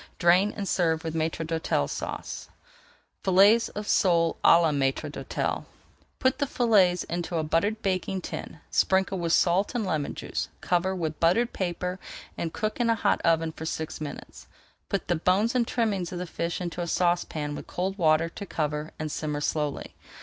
Drain and serve with Maître d'Hôtel Sauce. [Page 388] FILLETS OF SOLE À LA MAÎTRE D'HÔTEL Put the fillets into a buttered baking tin, sprinkle with salt and lemon juice, cover with buttered paper, and cook in a hot oven for six minutes. Put the bones and trimmings of the fish into a saucepan with cold water to cover and simmer slowly.